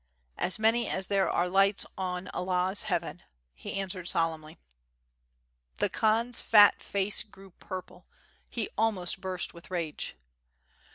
"As many as there are lights on Allah *s Heaven/' he answered solemnly. The Khan's fat face grew purple, he almost burst with rage.